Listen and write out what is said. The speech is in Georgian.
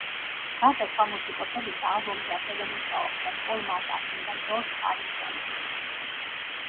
გარდა სხვა მუსიკოსებისა, ალბომზე ასევე მუშაობდნენ პოლ მაკ-კარტნი და ჯორჯ ჰარისონი.